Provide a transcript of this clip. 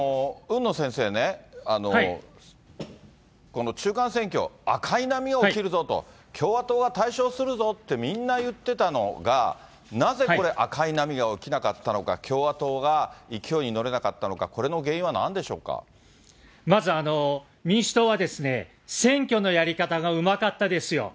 海野先生ね、この中間選挙、赤い波が起きるぞと、共和党は大勝するぞとみんな言ってたのが、なぜこれ、赤い波が起きなかったのか、共和党が勢いに乗れなかったのか、まず民主党は、選挙のやり方がうまかったですよ。